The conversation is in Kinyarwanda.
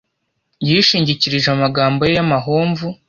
yishingikirije amagambo ye y'amahomvu